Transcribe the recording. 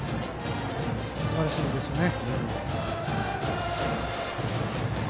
すばらしいですよね。